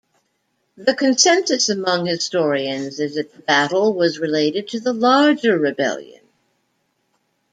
The consensus among historians is that the battle was related to the larger rebellion.